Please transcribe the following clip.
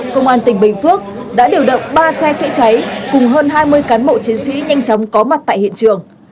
công an tỉnh bình phước đã điều động ba xe chữa cháy cùng hơn hai mươi cán bộ chiến sĩ nhanh chóng có mặt tại hiện trường